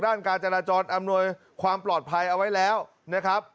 การจราจรอำนวยความปลอดภัยเอาไว้แล้วนะครับ